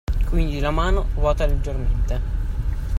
Quindi la mano ruota leggermente